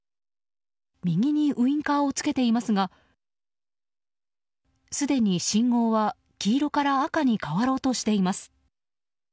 右にウィンカーをつけていますがすでに信号は黄色から赤に変わろうとしています。